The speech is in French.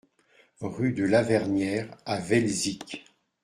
Rue de Lavernière à Velzic